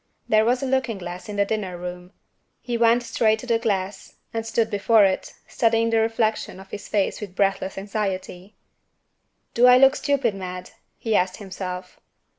There was a looking glass in the dining room. He went straight to the glass, and stood before it, studying the reflection of his face with breathless anxiety. "Do I look stupid mad?" he asked himself.